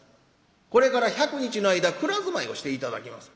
これから１００日の間蔵住まいをして頂きます。